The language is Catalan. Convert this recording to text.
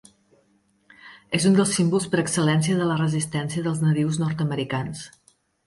És un dels símbols per excel·lència de la resistència dels nadius nord-americans.